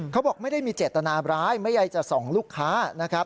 เขาบอกไม่ได้มีเจตนาบร้ายไม่ใยจะส่องลูกค้านะครับ